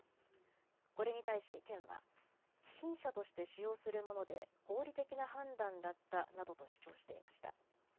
これに対し県は貴賓車として使用するもので合理的な判断だったなどと主張していました。